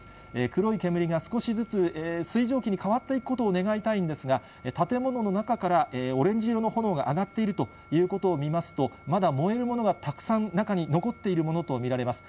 黒い煙が、少しずつ水蒸気に変わっていくことを願いたいんですが、建物の中からオレンジ色の炎が上がっているということを見ますと、まだ燃えるものがたくさん中に残っているものと見られます。